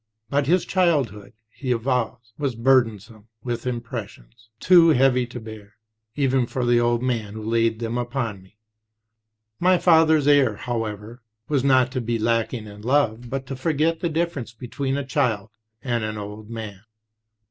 But his childhood, he avows, was burdened with impressions "too heavy to bear, even for the old man who laid them upon me." "My father's error, however, was not to be lacking in love, but to forget 6 the difference between a child and an old man."